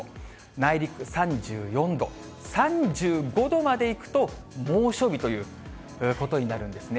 内陸３４度、３５度までいくと猛暑日ということになるんですね。